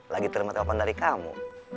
lagi terima telepon dari kamu